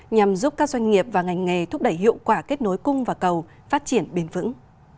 nhằm giúp các doanh nghiệp và ngành nghề thúc đẩy hiệu quả kết nối cung và cầu phát triển bền vững